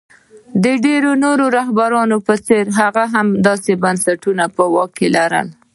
د ډېرو نورو رهبرانو په څېر هغه هم داسې بنسټونه په واک کې لرل.